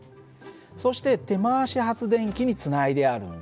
そして手回し発電機につないであるんだ。